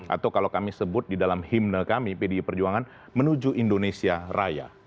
atau kalau kami sebut di dalam himne kami pdi perjuangan menuju indonesia raya